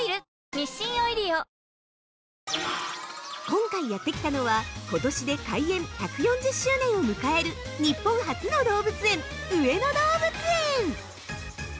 今回やってきたのはことしで開園１４０周年を迎える日本初の動物園、上野動物園。